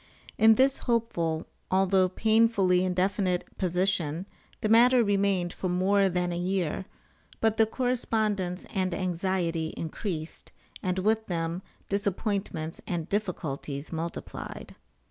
In this hopeful, although painfully indefinite position the matter remained for more than a year; but the correspondence and anxiety increased, and with them disappointments and difficulties multiplied.